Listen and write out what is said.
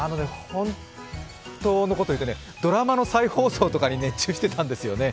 本当のことを言うとね、ドラマの再放送とかに熱中してたんですよね。